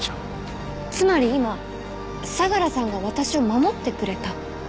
つまり今相良さんが私を守ってくれた。